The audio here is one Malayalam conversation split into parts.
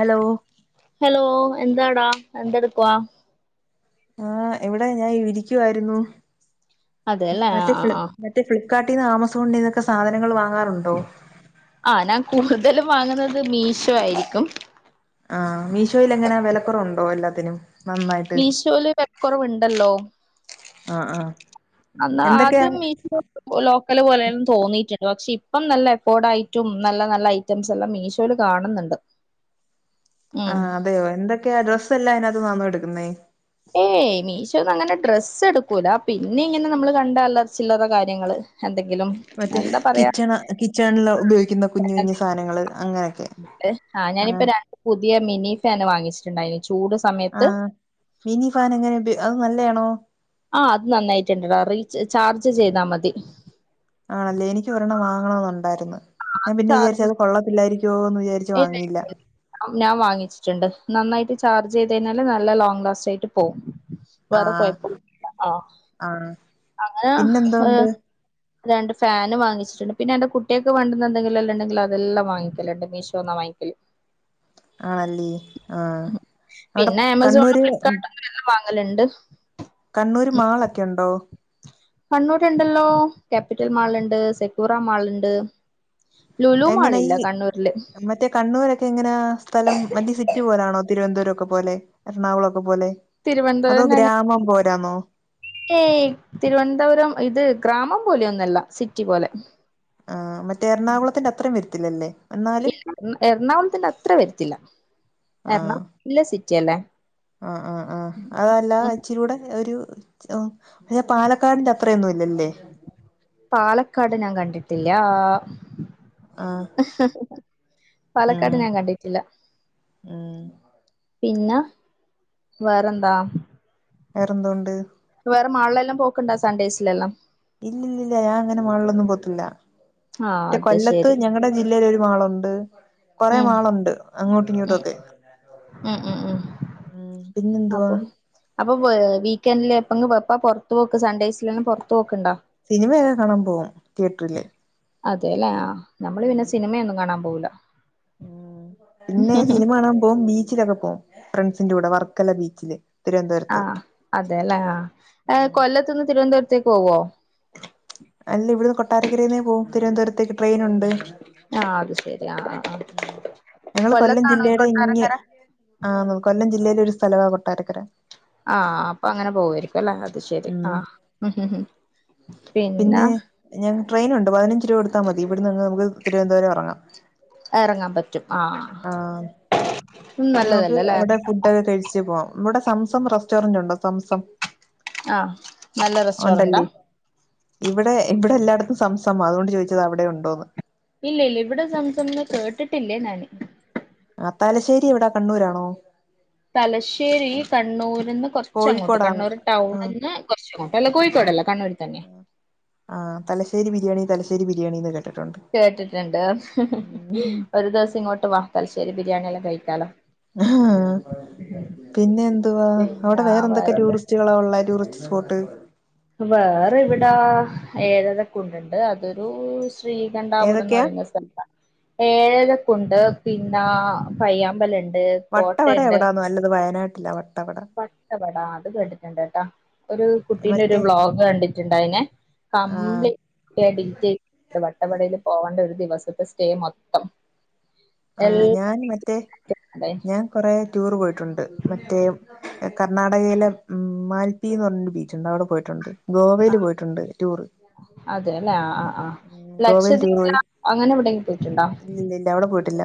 ഹലോ ഹലോ എന്താടാ എന്താ എടുക്കവാ ആഹ് എവിടെ ഞാൻ ഇരിക്കുവായിരുന്നു അതെല്ലേ ആ മറ്റേ ആ ഫ ആ മറ്റേ ഫ്ലിപ്കാർട്ട് ആമസോൺ ന്നൊക്കെ സാധനങ്ങൾങ്ങ ആ ഞാൻ കൂടുതലും വാങ്ങുന്നത് മീശോ ആയിരിക്കും ആഹ മീഷോയിൽ എങ്ങനെ വിലക്കുറവുണ്ടോ എല്ലാത്തിനും നന്നായിട്ട് മീശോൽ വിലക്കുറവുണ്ടല്ലോ ആഹ് ആഹ് അന്നാ എന്തൊക്കെയാ ആദ്യം മീശോ ലോക്കല് പോലെല്ലും തോന്നിയിട്ടുണ്ട് പക്ഷെ ഇപ്പം നല്ല എഫോർഡ് ആയിട്ടും നല്ല നല്ല ഐറ്റംസ് എല്ലാം മീഷോൽ കാണുന്നുണ്ട് ഉം ആഹ് അതെയോ എന്തൊക്കെയാ അഡ്രസ്സ് എല്ല അതിനകത്ത്ന്ന എടുക്കുന്നേ ഏയ് മീശോന്ന് അങ്ങനെ ഡ്രസ്സ് എടുക്കൂല പിന്നെ ഇങ്ങനെ നമ്മള് കണ്ട അല്ലറ ചില്ലറ കാര്യങ്ങ എന്തൊ മറ്റേ കിച്ചണ് കിച്ചണില ഉപയോഗിക്കുന്ന കുഞ്ഞു കുഞ്ഞു സാധനങ്ങൾ അങ്ങനെയൊക്കെ ആഹ ഞാനിപ്പോ ആഹ് രണ്ട് പുതിയ മിനി ഫാന് വാങ്ങിച്ചിട്ടുണ്ടായിന് ചൂട് സമയത്ത് ആഹ് മിനി ഫാൻ എങ്ങനെ അത് നല്ലതാണോ ആ അത് നന്നായിട്ട് ഇണ്ടടാ റീ ചാർജ് ചെയ്താ മതി ആണല്ലേ എനിക്ക് ഒരെണ്ണം വാങ്ങണമന്നുണ്ടായിരുന്നു ഞാൻ അത് പിന്നെ വിചാരിച്ച ചാർജ് അത് കൊള്ളത്തില്ലായിരിക്കുമോ എന്ന് വിചാരിച്ചു ഇല്ല ഞാൻ വാങ്ങിച്ചിട്ടുണ്ട് നന്നായിട്ട് ചാർജ് ചെയ്ത കഴിഞ്ഞാല് നല്ല ലോങ്ങ് ലാസ്റ്റ് ആയിട്ട് പോവും വേറെ ആഹ് കുഴപ്പ ആ ആഹ് അങ്ങനെ ഏ പിന്നെന്തോണ്ട് രണ്ട് ഫാന് വാങ്ങിച്ചിട്ടുണ്ട് പിന്നെന്റെ രണ്ട് ഫേനും വാങ്ങിച്ച്ട്ട്ണ്ട് പിന്നെ എ ന്റെ കുട്ട്യേക്ക് വാണ്ടുന്ന എന്തെങ്കിലുംല്ലാം ഇണ്ടെങ്കില അതെല്ലാം വാങ്ങിക്കല്ണ്ട് മീഷ ഷോന്ന വാങ്ങിക്കൽ ആണല്ലേ ആഹ് അവിടെ പിന്നെ ആമസോണും കണ്ണൂര് ഫ്ലിപ്കാർട്ടുന്നും എല്ല വാങ്ങി അല്ലണ്ട് കണ്ണൂര് മാളൊക്കെ ഉണ്ടോ കണ്ണൂർണ്ടല്ലോ ക്യാപിറ്റൽ മാൾ ഇണ്ട് സെക്കുറ മാൾ ഇണ്ട് എങ്ങനെ ഈ മറ്റേ കണ്ണൂരൊക്കെ ഇങ്ങനെ സ്ഥലം മറ്റസിറ്റി പോലാണോ തിരുവനപുരം ഒക്കെ പോലെ എറണാകുളൊക്കെ പോലെ അതോ തിരുവനന്തപുരം ഞങ്ങ ഗ്രാമം പോലാന്നോ ഏഹ്തിരുവനന്തപുരം ഇത് ഗ്രാമം പോലെയൊന്നല്ല സിറ്റി പോലെ ആഹ് മറ്റേ എറണാകുളത്തിന്റെ അത്രയും വര്ത്തില്ലല്ലേ ഇല്ല എറണാകുളത്തിന്റ അത്ര വരത്തില്ല എറണാകുളം നല്ല സിറ്റി അല്ലേ ആഹ്ആഹ്ആഹ് ആഹ് അതല്ല അചിരൂടെ ഒരു ഓ പാലക്കാടിന്റെ അത്രയൊന്നും ഇല്ലല്ലേ പാലക്കാട് ഞാൻ കണ്ടിട്ടില്ലാ ആഹ് പാലക്കാട് ഉം ഞാൻ കണ്ടിട്ടില്ല ഉം പിന്നെ വേറെന്താ വേറെന്തൊണ്ട് വേറെ മാളിലെല്ലാം പോക്ക്ണ്ട സൺഡേസിലെല്ലാം ഇല്ലില്ലില്ല ഞാൻ അങ്ങനെ മാളിലൊന്നും പോത്തില്ല ആഹ് മറ്റേ അത് കൊല്ലത്ത് ശരി ഞങ്ങളടെ ജില്ലൽ ഒരു മാളുണ്ട് കൊറേ ഉം മാളുണ്ട് അങ്ങോട്ടും ഇങ്ങോട്ടും ഉം ഒക്കെ ഉം ഉംഉം ഉം പിന്നെന്തുവാ അപ്പൊ അപ്പൊ വീക്കെൻഡില് എപ്പ പൊറ്ത്ത് പോക്ക് സൺഡേയ്സിലെല്ലാം പൊറ്ത്ത് വോക സിനിമയൊക്കെ കാണാൻ പോവും തിയേറ്ററില് അതെല്ലേ ആ നമ്മള് പിന്നെ ഉം സിനിമയൊന്നും കാണാൻ പോവ് ല ഉം ഇന്നെ സിനിമ കാണൻ പോം നീ ച്ചിലൊക്കെ പോവും ഫ്രണ്ട്സിന്റെ കൂടെ വർക്കല ബീച്ചില് തിരുവനന്തപുരത്ത് ആഹ് അതെല്ലേ ആഹ് ഉം കൊല്ലത്തു നിന്ന് തിരുവനന്തപുരത്തേക്ക് പോവോ അല്ല ഇവിടുന്ന് കൊട്ടാരക്കരേൽന്ന പോവും തിരുവന ന്തപുരത്തേക്ക് ട്രെയിനുണ് ആഹ് അത് ശരി ആഹ് ആഹ് ആഹ് ഞങ്ങള് കൊല്ലം കൊല്ലത്താണോ ഈ ജില്ലയുടെ ഇങ്ങേ കൊട്ടാരക്കര ആ കൊല്ലം ജില്ല ഒരു സ്ഥലവ കൊട്ടാരക്കര ആഹ് അപ്പൊ അങ്ങനെ പോവായിരി ല്ലേ അത് ശെരി ഉം ആഹ് ഉം പിന്നെ ഞങ്ങ ട്രെയിനുണ്ട് പതിനഞ്ച് രൂപ എടുത്താ മതി ഇവിടെ നിന്ന് നമുക്ക് തിരുവനന്തപരംറങ്ങാം എറങ്ങാൻ പറ്റും ആഹ് ആഹ് നമുക്ക് നല്ലതല്ലേ അല്ലേ അവിടെ ഫുഡൊക്കെ കഴിച്ചു പോണം ഇവിടെ സംസം റെസ്റ്റോറന്റ് ഉണ്ടോ സംസം ആഹ് നല്ല റെസ്റ്റോറന്റാ ഉണ്ടല്ലേ ഇവിടെ ഇവിടെ എല്ലായിടത് സംസമ് അതുകൊണ്ട് ചോദിച്ചത വടെ ഉണ്ടോ എന്ന് ഇല്ല്യഇല്ല ഇവടെ സംസംന്നെ കേട്ടിട്ടില്ലേ ഞാന് താലശ്ശേരി എവിടാ കണ്ണൂരാണോ തലശ്ശേരി കണ്ണൂർന്ന് കൊറ്ച്ചങ്ങോട്ട് കോഴിക്കോടാണ് കണ്ണൂർ ആഹ് ടൗണ്ന്ന് കൊറച്ചങ്ങോട്ട് അല്ലയി കൊയ്‌ ക്കോടല്ല കണ്ണൂരിൽ തന്നെ ആഹ് തലശ്ശേരി ബിരിയാണി തലശ്ശേരി ബിരിയാണിന്ന് കേ കേട്ടിട്ട്ണ്ട് ഹ് ഹ് ഹ് ഉം ഒരു ദിവസം ഇങ്ങോട്ട് വാ ത്തൽശേരി ബിരിയാണിെല്ലാം കഴിക്കാലോ പിന്നെ എന്തുവാ അവടെ പിന്നെ വേറെ എന്തൊക്കെ വേറെന്ത് ടൂറിസ്റ്റുകളാ ഉള്ളെ ടൂറിസ്റ്റ് സ്ഫോട്ട് വേറെ ഇവിടാ ഏതതൊക്കുണ്ട്ണ്ട് അതൊരു സ് ശ്രീകണ്ഠാപുരം എന്ന് ഏതൊക്കെയാ പറയുന്ന സ്ഥല ഏഴലക്കുണ്ട് പിന്നെ പയ്യാമ്പല് വട്ടവട, എവിടാന്ന നല്ലത്. വയനാട്ടില്ലാ വട്ടവട... വടാ. അത് കേട്ടിട്ടുണ്ട്. ട്ടാ. ഒരു.. ഇതിനൊരു മറ്റേ ബ്ലോഗ് കണ്ടിട്ടുണ്ടായിനെ. ആഹ് കംപ്ലീറ്റ് [unintelligible] ഡീറ്റെയി വ..... വട്ടവടേൽ. പോവണ്ട ഒരു ദിവസത്തെ സ്റ്റേ. മൊത്തം.... ആഹ, ഞാൻ മറ്റേ. എല്ലാ ഞാൻ കൊറെ.... ടൂറ് പോയിട്ടുണ്ട്. മറ്റേ, കർണാടകയിലെ മ്മ്. മാൽപ്പീ എന്ന് പറഞ്ഞരു ബീച്ചുണ്ട് അവിടെ പോയിട്ടുണ്ട്... ഗോവയിൽ. പോയിട്ടുണ്ട്. ടൂറ്... അതെല്ലേ ആ ആ ആ ഉ, ഗോവൽ ലക്ഷദ്വീപില ടൂറോയി. അങ്ങനെ എവിടെയെങ്കിലും പോയിട്ടുണ്ടോ ഇല്ലല്ല ഇല്ല അവിടെ പോയി..... ട്ടില്ല.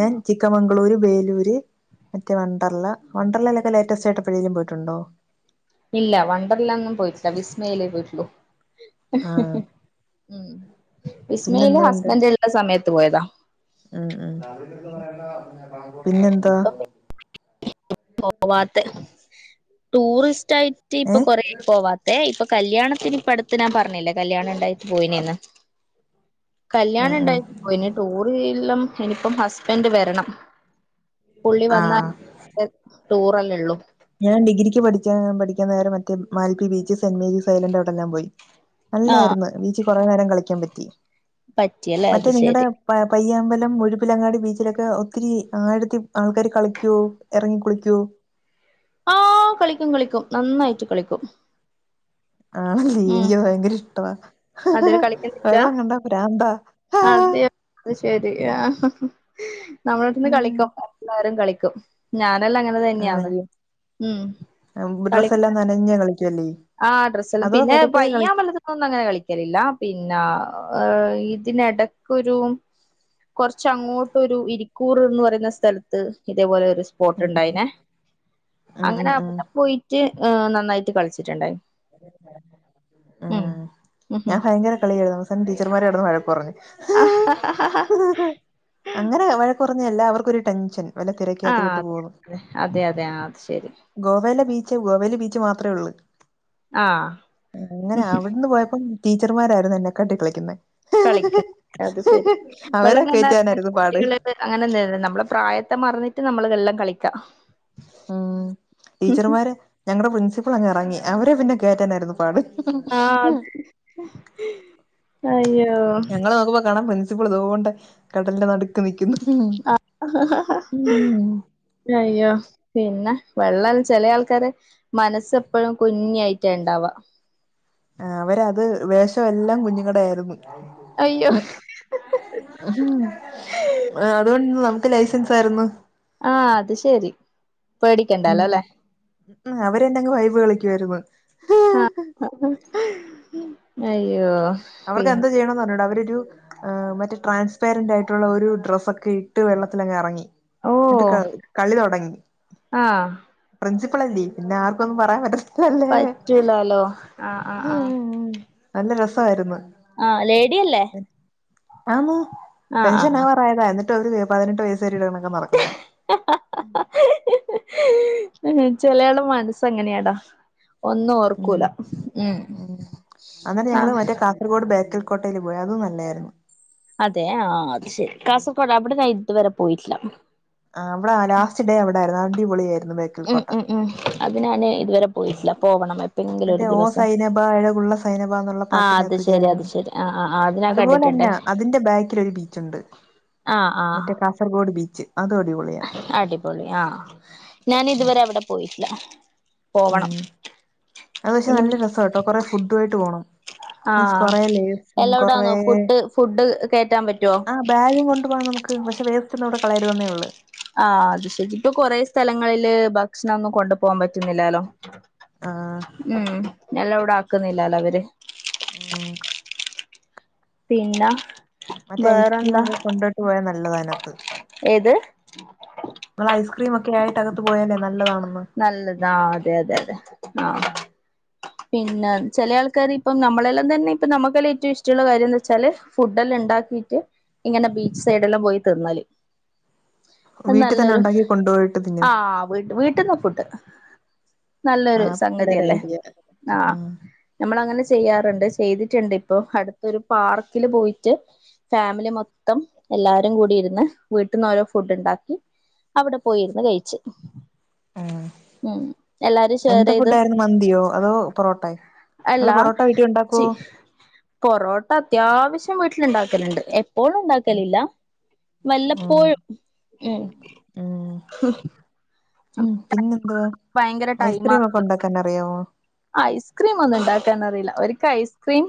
ഞാൻ ചിക്കവാങ് ബംഗളൂരു, വേലൂര്, മറ്റേ വണ്ടർല വണ്ടർലലൊക്കെ ലേറ്റസ്റ്റ് ആയിട്ട് എപ്പോഴെലും. പോയിട്ടുണ്ടോ... ഇല്ല. വണ്ടറലൊന്നും പോയിട്ടില്ല. വിസ്മയിലേ പോയിട്ടുള്ളു... ഉ ആ [unintelligible] വിസ്മയിലെ പിന്നെന്തോണ്ട് ഹസ്ബൻറ് ള്ള സമയത്ത് പോയതാ... ഉം, ഉം, പിന്നെന്താ...? പോവാത്ത്. ടൂറിസ്റ്റ് ആയിട്ട് ഇപ്പൊ. ഏ കൊറേ. പോവാത്തെ. ഇപ്പൊ..... കല്യാണത്തിന് ഇപ്പ അടുത്ത് ഞാൻ പറഞ്ഞിലെ. കല്യാണണ്ടായി. പോയിനന്ന്.... കല്യാ ഉം ഉം ണ്ടായി. പോയിൻ ടൂറില്ലാം ഇനിപ്പം ഹസ്ബൻഡ് വരണം.... പുള്ളി ആ വന്നാ വേ, ടൂറല്ലേ. ള്ളൂ... ഞാൻ ഡിഗ്രിക്ക് പഠിച്ച ആ. പഠികന്നേ രം മറ്റേ Malpe. Beach. Saint Mary's island. അവിടെല്ലാം പോയി... ആഹ് നല്ലാരാരുന്നു. ബിച്ചി കുറേ നേരം കളിക്കാൻ. പറ്റി. പറ്റിയല്ലേ അത് മറ്റേ നിങ്ങളടെ. ശരി പ. പയ്യ... അ അമ്പലം മുഴുപ്പിലങ്ങാടി ബീച്ചിലൊക്കെ [unintelligible] ഒത്തിരി ആഴത്തി ആൾക്കാര് കളിക്കുഒ. ഇറങ്ങി കുളിക്കുഒ.... ആഹ്, കളിക്കും. കളിക്കും. നന്നായിട്ട്. കളിക്കും.... ആണല്ലീ. ഉം എനിക്കി ഭയങ്കര ഇഷ്ടവാ വെള്ളം കണ്ട. പ്രാന്താ.... അത അത് ശരി ആ നമ്മളോവിടുന്ന് [unintelligible] ഉം കളിക്കും എരും കളും [unintelligible] കും. ഞാനല്ലാം അങ്ങനെ തന്നെയാന്ന് ആണല്ലേ ഉം, കളിക്ക..... ഡ്രസ്സെല്ലാം നനഞ്ഞ കളിക്കുവല്ലേ ആ ഡ്രസ്സല്ലാം അതോ പിന്നെ വെറുതെ പയ്യാ. കളി വലതന്ന [unintelligible] ഒന്നും അങ്ങനെ കളിക്കലില്ല പിന്നാം.... ആ. ഹ്. ഇതിനിടക്കൊരു.... കുറച്ച് അങ്ങോട്ട് ഒരു ഇരിക്കൂറ് ന്ന് പറയുന്ന സ്ഥലത്ത് ഇതേപോലെ ഒരു.... സ്പോട്ട് ഉണ്ടായിനെ ഉം അങ്ങനെ ഉം ഉം അവിടെ പോയിട്ട്. ഹ്. നന്നായിട്ട് കളിച്ചിട്ടുണ്ടായി.... ആ. ഉം ഞാൻ ഉം ഫയങ്കര കളിയായിരുന്നു സം. ടീച്ചർന്മാർ എടന്ന് വഴക്കറഞ്ഞു... ആ. ഹ. ഹ. ഹ. ഹ. ഹേ [unintelligible] കൊറഞ്ഞല്ല. ഏല്ലാവർക്കൊരു. ടെൻഷൻ.... വല്ല ആഹ. തിരക്കകത്ത് പെട്ട് അത. പോവോന്ന് അതെ. അതെ. ആ, അത്. ശെരി..... ഗോവലെ ബീച്ച് ഗോവൽ ബീച്ച് മാത്രേ ഉള്ളൂ. ആഹ് അങ്ങനെ അവിടുന്ന് പോയപ്പം.... ടീച്ചർമാരാരുന്നു എന്നെകാട്ടി കളിക്കുന്നേ... കളിക്ക അത് ശരി അവരെ വെള്ളം കണ്ടാ അങ്ങനെ കേറ്റാനായിരുന്നു പാട് കുട്ടികള് അങ്ങനെദേൽ നമ്മളെ പ്രായത്തെ മറന്നി ട്ട് നമ്മളിയൊല്ലാം കളിക്കാം ഉം, ടീച്ചർമാര് ഞങ്ങടെ പ്രിൻസിപ്പൾ അങ്ങ് എറങ്ങി അവരെ പിന്നെ കേ യറ്റാനായിരുന്നു പാട് ആ ഹയ്യോ ഞങ്ങള് നോക്കുമ്പ കാണാം പ്രിൻസിപ്പൾ തോണ്ട് കടലിന്റെ നടു നിക്കുന്നു അയ്യോ പിന്നെ വെള്ള ചെല ആൾക്കാര് മനസ്സെപ്പോഴും കുഞ്ഞിയിട്ടാ ഉണ്ടവാ ആ അവര അത് വേഷ എല്ലാം കുഞ്ഞുങ്ങടെ ആരുന്നു അയ്യോ അതുകൊണ്ട് നമക്ക് ലൈസൻസ് ആയിരുന്നു ആ അത് ശരി ഉം പേടിക്കണ്ടാലോല്ലെ ഉം അവരെന്നങ്ങ് വൈബ് കളിക്കുയിരുന്നു ആ ആ അയ്യോ അവർക്ക് പിന്നെ എന്ത് ചെയ്യണന്ന് അറിഞ്ഞൂടാ. അവരെരു ആ മറ്റേ ട്രാൻസ്പാരന്റ് ആയിട്ടുള്ള ഒരു ഡ്രസ്സക്കെ ഇട്ട് വെള്ളത്തിലങ്ങ് എറങ്ങി എന്നിട്ട് ഓഹ് ക കളി തൊടങ്ങി ആഹ് പ്രിൻസി ഇപ്പളാ ജീവിക്കുന്നെ ആർക്കു ഒന്നും പറയാൻ പറ്റത്തി പറ്റൂലാലോ? ആഹ് ആഹ് ആഹ് നല്ല രസായിരുന്നു. ആഹ് ലേഡിയല്ലേ? ആന്ന്. ആഹ് പെൻഷൻ ആഹ് ആവാറായതാ. എന്നിട്ട് അവര് പതിനെട്ട് വയസ്സ് [unintelligible] ടൊക്കെ നടക്കുന്നേ ഉം ചെലയാള മനസ്സങ്ങനെയാടാ ഒന്നും ഓർക്കൂല ഉം ഉം. അങ്ങനെ ഞങ്ങള് ആഹ് മറ്റേ കാസർഗോഡ് ബേക്കൽ കോട്ടൽ പോയി അതും നല്ലയായിരുന്നു അതെ ആ അത് ശരി. കാസർഗോഡ് അവിടെ ഞാൻ ഇതുവരെ പോയിട്ടില്ല. ആ അമ്മളെ ലാസ്റ്റ് ഡേ അവിടെ ആരുന്നു. അടിപൊളി ആയിരു ഉം ഉം ഉം അത് ഞാന് ഇതുവരെ പോയിട്ടില്ല പോവണം എപ്പെങ്കിലും മറ്റേ ഒരു ഓ ദിവസം സൈനബ അഴകുള്ള സൈനബ എന്നുള്ള പാട്ട് ആഹ് അത് ശരി അത് [unintelligible] ശരി ആഹ് ആഹ് ആഹ് അത് ഞാൻ കണ്ടിട്ടുണ്ട് അതുപോലെന്നെ പിന്നെ അതിന്റെ ബാക്കിൽ ഒരു ബീച്ച ഉണ്ട് ആഹ് ആഹ് മറ്റേ കാസർഗോഡ് ബീച്ച് അതും അടിപൊളിയാ അടിപൊളി ആ. ഞാൻ ഇതുവരെ അവിടെ പോയിട്ടില്ല. പോവണം. ഉം അത് പക്ഷെ ഇനി നല്ല രസാട്ടോ. കൊറെ ഫുഡ്ഡു ആയിട്ട് പോണം. മീൻസ് കൊറ ആഹ് ലേസും കൊറേ. എലൗഡാന്നോ ഫുഡ് ഫുഡ് കേറ്റാൻ പറ്റുവോ ആ ബാഗും കൊണ്ട് പോകാം നമുക്ക്. പക്ഷെ വേസ്റ്റ് ഒന്നും അവിടെ കളയരുതെന്നേ ഉള്ളൂ. ആ അത് ശരി. ഇപ്പൊ കൊറേ സ്ഥലങ്ങളില് ഭക്ഷണൊന്നും കൊണ്ടു പോവാൻ പറ്റ്ന്നില്ലാലോ? ആ ഉം. ഞല്ല ഇവിടെ ആക്ക്ന്നില്ലാല്ലോ അവര്? ഉം പിന്ന മറ്റേ ഐസ്ക്രീമൊക്കെ കൊണ്ടട്ട് പോയാൽ നല്ലതാ അതിനാത്ത്. ഏത്? നമ്മള് ഐസ്ക്രീമൊക്കെ ആയിട്ടകത്ത് പോയാലേ നല്ലതാണ്. നല്ലത അതെ അതെ അതെ ആ പിന്നെ ചില ആൾക്കാര് ഇപ്പം നമ്മളെല്ലാം തന്നെ ഇപ്പ നമുക്കല്ല ഏറ്റവും ഇഷ്ടമുള്ള കാര്യം എന്നു വെച്ചാൽ ഫുഡ് എല്ലാം ഉണ്ടാക്കീറ്റ് ഇങ്ങനെ ബീച്ച് സൈഡെല്ലം പോയി തിന്നല്. വീട്ടിൽ തന്നെ നല്ലൊരു ഉണ്ടാക്കി കൊണ്ടുപോയിട്ട് ആ തിന്നും വീ വീട്ട്ന്ന് ഫുഡ്ഡ് നല്ലൊരു ആ നല്ലൊരു സംഗതിയല്ലേ ഐഡിയ ആ നമ്മള അങ്ങനെ ചെയ്യാറുണ്ട് ചെയ്തിട്ടുണ്ട് ഇപ്പൊ അടുത്തരു പാർക്കില് പോയിട്ട് ഫാമിലി മൊത്തം എല്ലാരും കൂടി ഇര്ന്ന് വീട്ട്ന്നോരോ ഫുഡ്ഡ്ണ്ടാക്കി അവിടെ പോയിര്ന്ന് കഴിച്ച്. ഉം ഉം എല്ലാരും ഷെയർ എന്ത്‌ ചെയ്ത് ഫുഡ്ഡായിര്ന്നു മന്തിയോ? അതോ പൊറോട്ട അല്ല നിങ്ങൾ പൊറോട്ട വീട്ടിൽ ചി ഉണ്ടാക്കുവോ പൊറോട്ട അത്യാവശ്യം വീട്ടിൽലുണ്ടാക്കലുണ്ട് എപ്പോഴും ഉം ഉണ്ടാക്കലില്ല ഉം വല്ലപ്പോഴും ഉം ഉം ഹ ഉം പിന്നെന്തുവാ? ഐസ്ക്രീമൊക്കെ ഇണ്ടാക്കാൻ അറിയാവോ? ഐസ്ക്രീമൊന്നു ഇണ്ടാക്കാനറീല്ല. ഒരിക്ക ഐസ്ക്രീം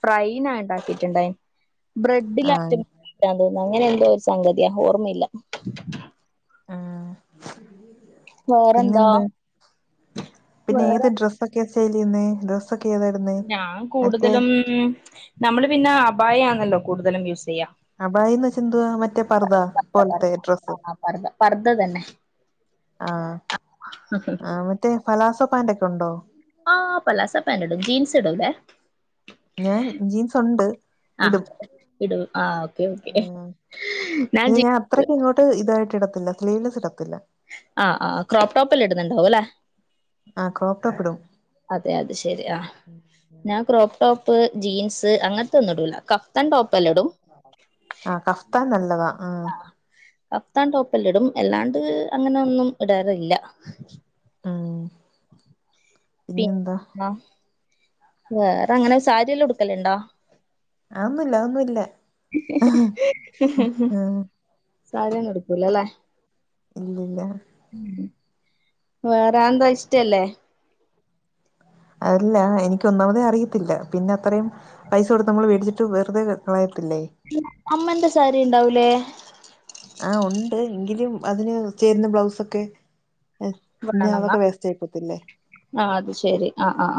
ഫ്രൈന ഉണ്ടാക്കിട്ടുണ്ടായി ആ ബ്രെഡ്ഡിലാറ്റം തോന്നു. അങ്ങനെ എന്തോ ഒരു സംഗതിയാ. ഓർമ്മല്ല ഉം വേറെന്താ പിന്നെന്താ? പിന്നെ ഏത് ഡ്രസ്സൊക്കെയാ സേല് ചെയ്യ്ന്നേ? ഡ്രസ്സൊക് ഞാൻ കൂടുതലും, നമ്മള് പിന്നെ അബായാണല്ലോ കൂടുതലും യൂസ് ചെയ്യാ അബായിന്ന് വെച്ചാ എന്തുവാ? മറ്റേ പർദ്ദ പോലത്തെ ഡ്രസ്സ്? പർദ തന്നെ ആ ആ മറ്റേ ഫലാസോ പാന്റ് ക്കെ ഉണ്ടോ ആഹ് പലാസ പാന്റിടും. ജീൻസ് ഇടൂലെ ഞാൻ ജീൻസ് ഒണ്ട് ആ ഇടും ഇടൂ ആ ഓക്കെ ആ ഓക്കെ അത് ഞാൻ അത്രയ്ക്ക് ഇങ്ങോട്ട് ഇതായിട്ട് ഇടത്തില്ല സ്ലീലസ് ഇടത്തില്ല ആഹ് ആ് ക്രോപ്ടോപ്പ്ല്ലാം ഇടുന്നുണ്ടാവും അല്ലെ ആ ക്രോപ്പടോപ്പ് ഇടും അതെ അതെ ശരി ആ ഞാൻ ക്രോപ് ടോപ്പ് ജീൻസ് അങ്ങനത്തെ ഒന്നും ഇടുല ക് ആ കഫ്താ നല്ലതാ ഉം ക്താ ടോപ്പല്ലാം ഇടും എല്ലാണ്ട് അങ്ങനെന്നും ഇടാറില്ല ഉം പിന്നെന്താ പിന്ന വേറെ അങ്ങനെ സാരിയല്ലാം ഉടുക്കലണ്ടാ ആതൊന്നുല്ല അതൊന്നുല്ല ആ സാരി ഒന്നും ഉടുക്കൂല അല്ലേ ഇല്ലില്ല വേറെ അന്താ ഇഷ്ടല്ലേ അതല്ല എനിക്ക് ഒന്നാമതേ അറിയത്തില്ല പിന്നെ അത്രയും പൈസ കൊടുത്ത് നമ്മൾ മേടിച്ചിട്ട് വെറുതെ കള അമ്മന്റെ സാരി ഉണ്ടാവൂലേ ആ ഉണ്ട് എങ്കിലും അതിന് ചേരുന്ന ബ്ലൗസ്ക്കെ പിന്ന വേണെന്നാ അതൊക്കെ വേസ്റ്റ് ആയി പോത്തില്ലേ ആഹ് അത് ശരി ആഹ് ആഹ്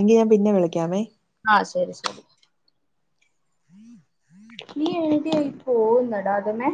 എങ്കി ആ പിന്നെ വിളിക്കാമേ ആ ശരി ശരി ഹം നീ എഴുതിയ ഈപോകുന്നതട ആദ്യമേ